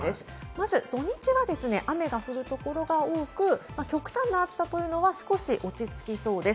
まず土日は雨が降るところが多く、極端な暑さというのは少し落ち着きそうです。